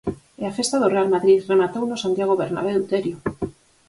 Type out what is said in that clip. E a festa do Real Madrid rematou no Santiago Bernabéu, Terio.